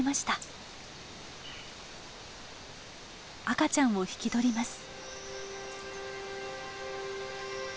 赤ちゃんを引き取ります。